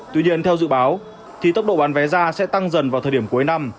tuy nhiên theo dự báo thì tốc độ bán vé ra sẽ tăng dần vào thời điểm cuối năm